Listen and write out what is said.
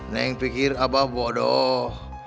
neng pikir abah bodoh